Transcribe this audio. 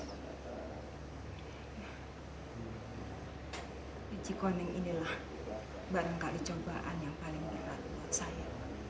biji kuning inilah barangkali cobaan yang paling berat buat saya